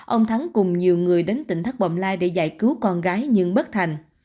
ông thắng cùng nhiều người đến tỉnh thất bồng lai để giải cứu con gái nhưng bất thành